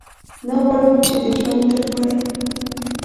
نه غواړو چې د ژوند تر پایه.